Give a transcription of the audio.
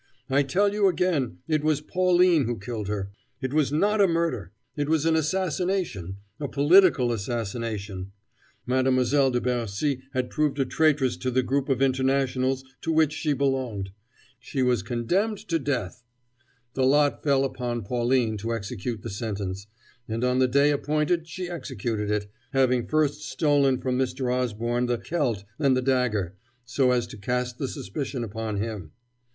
I tell you again it was Pauline who killed her. It was not a murder! It was an assassination a political assassination. Mademoiselle de Bercy had proved a traitress to the group of Internationals to which she belonged: she was condemned to death; the lot fell upon Pauline to execute the sentence; and on the day appointed she executed it, having first stolen from Mr. Osborne the 'celt' and the dagger, so as to cast the suspicion upon him.